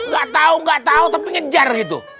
gak tau gak tau tapi ngejar gitu